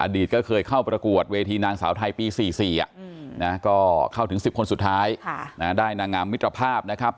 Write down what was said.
ก็เคยเข้าประกวดเวทีนางสาวไทยปี๔๔ก็เข้าถึง๑๐คนสุดท้ายได้นางงามมิตรภาพนะครับ